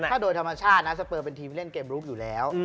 ถ้าโดยธรรมชาตินะสเปอร์เป็นทีมเล่นเกมลุกอยู่แล้ว